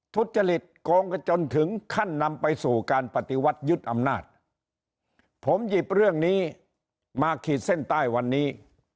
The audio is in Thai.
ทุจริตโกงกันจนถึงขั้นนำไปสู่การปฏิวัติยึดอำนาจผมหยิบเรื่องนี้มาขีดเส้นใต้วันนี้